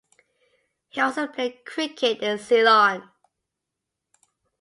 He also played cricket in Ceylon.